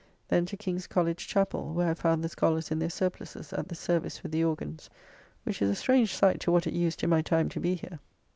Then to King's College chappell, where I found the scholars in their surplices at the service with the organs, which is a strange sight to what it used in my time to be here.